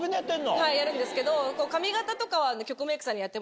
はいやるんですけど。